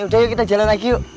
udah yuk kita jalan lagi yuk